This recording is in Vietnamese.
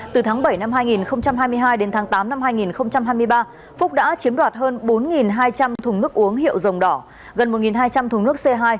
từ tháng bảy năm hai nghìn hai mươi hai đến tháng tám năm hai nghìn hai mươi ba phúc đã chiếm đoạt hơn bốn hai trăm linh thùng nước uống hiệu dòng đỏ gần một hai trăm linh thùng nước c hai